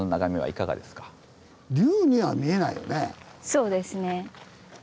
そうですね。